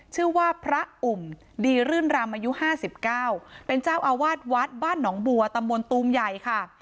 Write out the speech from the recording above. ชื่อว่าพระอุ่มดีรื่นรำอายุ๕๙เป็นเจ้าอาวาสวัดบ้านหนองบัวตำบลตูมใหญ่ค่ะ